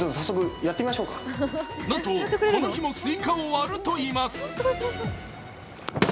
なんと、この日もスイカを割るといいます。